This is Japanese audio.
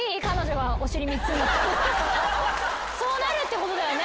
そうなるってことだよね。